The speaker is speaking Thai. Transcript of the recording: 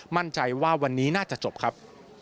มั่นใจว่าวันนี้น่าจะจบครับ